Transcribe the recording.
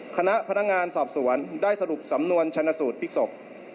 คณะพนักงานสอบสวนได้สรุปสำนวนชนสูตรพลิกศพ